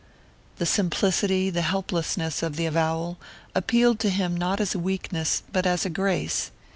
The simplicity, the helplessness, of the avowal, appealed to him not as a weakness but as a grace.